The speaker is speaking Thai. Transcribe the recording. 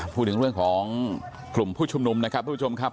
พูดถึงเรื่องของกลุ่มผู้ชุมนุมนะครับทุกผู้ชมครับ